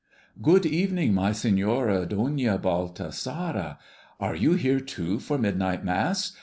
"Good evening, my Señora Doña Baltasara; are you here, too, for midnight Mass?